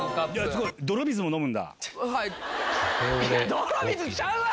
泥水ちゃうわ！